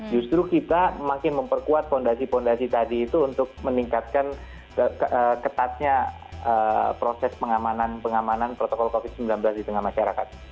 justru kita makin memperkuat fondasi fondasi tadi itu untuk meningkatkan ketatnya proses pengamanan pengamanan protokol covid sembilan belas di tengah masyarakat